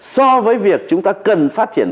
so với việc chúng ta cần phát triển